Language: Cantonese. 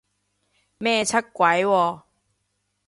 咩出軌喎？